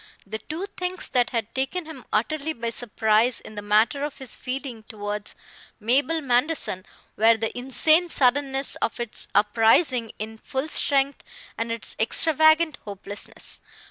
The two things that had taken him utterly by surprise in the matter of his feeling towards Mabel Manderson were the insane suddenness of its uprising in full strength and its extravagant hopelessness.